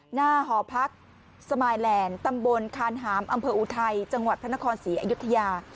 หอพักสมายแลนด์ตำบลคานหามอำเภออุทัยจังหวัดพระนครศรีอยุธยา